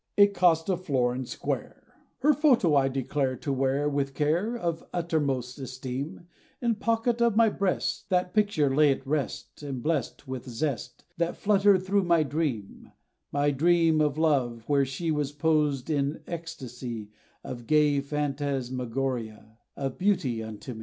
IT cost a florin square, Her photo I declare, To wear, With care Of uttermost esteem, In pocket of my breast, That picture lay at rest, And blest, With zest, That fluttered thro' my dream; My dream of love, where she Was posed, in extacy, Of gay phantasmagoria, Of beauty unto me.